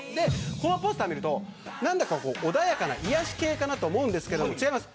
このポスターを見ると何だか穏やかな癒し系かなと思うんですけど違います。